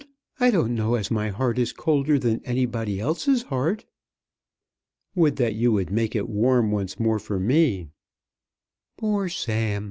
I don't know as my heart is colder than anybody else's heart." "Would that you would make it warm once more for me." "Poor Sam!"